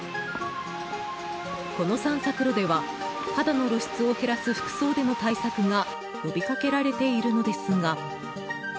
この散策路では肌の露出を減らす服装での対策が呼びかけられているのですが。